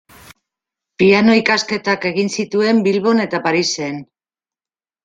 Piano ikasketak egin zituen Bilbon eta Parisen.